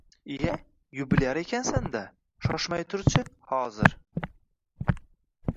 Iya, yubilyar ekansan-da, shoshmay tur-chi, hozir...